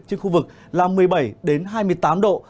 trên khu vực là một mươi bảy hai mươi tám độ